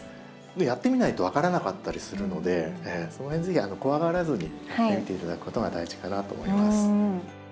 やってみないと分からなかったりするのでその辺ぜひ怖がらずにやってみていただくことが大事かなと思います。